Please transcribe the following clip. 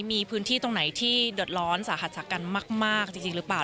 มีพื้นที่ตรงไหนที่เดือดร้อนสาหัสจากกันมากจริงหรือเปล่า